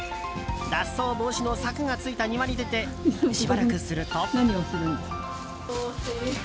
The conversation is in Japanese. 脱走防止の柵がついた庭に出てしばらくすると。